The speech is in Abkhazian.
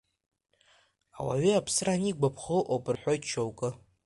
Ауаҩы аԥсра анигәаԥхо ыҟоуп рҳәоит шьоукы.